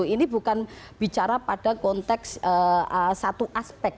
ini bukan bicara pada konteks satu aspek